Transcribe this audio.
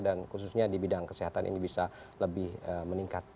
dan khususnya di bidang kesehatan ini bisa meningkatkan